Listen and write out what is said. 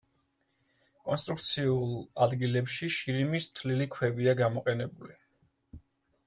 კონსტრუქციულ ადგილებში შირიმის თლილი ქვებია გამოყენებული.